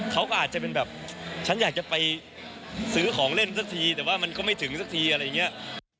เขาก็อาจจะเป็นแบบฉันอยากจะไปซื้อของเล่นสักทีแต่ว่ามันก็ไม่ถึงสักทีอะไรอย่างนี้